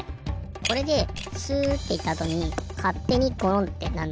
これでスッていったあとにかってにゴロンってなるの。